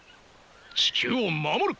地球を守る。